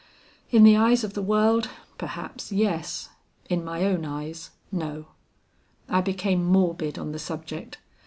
In the eyes of the world, perhaps, yes; in my own eyes, no. I became morbid on the subject.